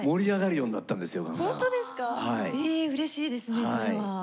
えうれしいですねそれは。